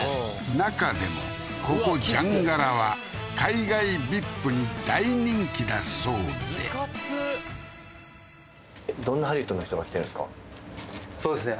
中でもここじゃんがらは海外ＶＩＰに大人気だそうでいかつっそうですね